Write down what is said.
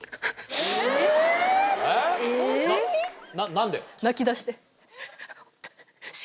何で？